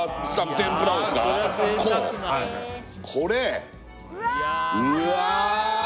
これうわ！